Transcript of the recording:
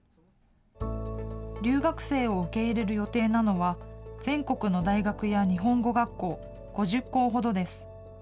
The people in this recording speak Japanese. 留学生を受け入れる予定なのは、全国の大学や日本語学校５０校ほどです。